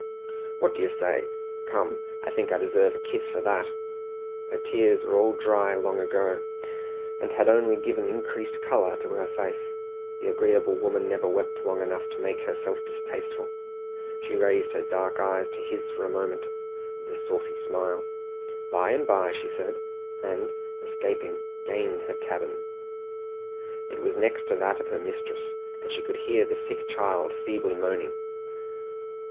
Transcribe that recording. "What do you say? Come, I think I deserve a kiss for that." Her tears were all dry long ago, and had only given increased colour to her face. This agreeable woman never wept long enough to make herself distasteful. She raised her dark eyes to his for a moment, with a saucy smile. "By and by," said she, and escaping, gained her cabin. It was next to that of her mistress, and she could hear the sick child feebly moaning.